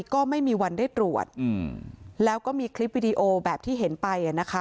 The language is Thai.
ก็ไม่มีวันได้ตรวจแล้วก็มีคลิปวิดีโอแบบที่เห็นไปอ่ะนะคะ